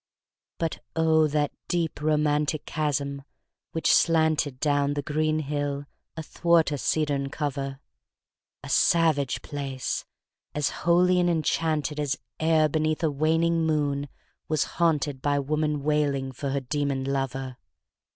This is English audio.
But O, that deep romantic chasm which slanted Down the green hill athwart a cedarn cover! A savage place! as holy and enchanted As e'er beneath a waning moon was haunted 15 By woman wailing for her demon lover!